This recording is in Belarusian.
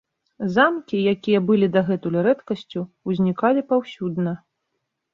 Замкі, якія былі дагэтуль рэдкасцю, узнікалі паўсюдна.